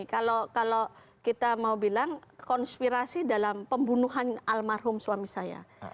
kalau kita mau bilang konspirasi dalam pembunuhan almarhum suami saya